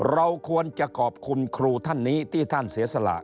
เราควรจะขอบคุณครูท่านนี้ที่ท่านเสียสละ